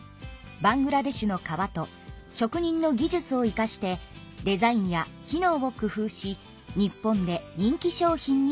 バングラデシュのかわと職人の技術を生かしてデザインや機能を工夫し日本で人気商品になりました。